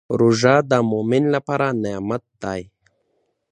روژه د مؤمن لپاره نعمت دی.